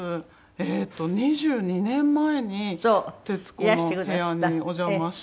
えーっと２２年前に『徹子の部屋』にお邪魔した。